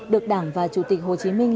được đảng và chủ tịch hồ chí minh